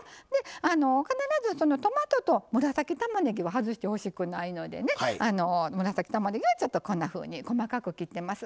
必ず、トマトと紫たまねぎは外してほしくないので紫たまねぎはこんなふうに細かく切ってます。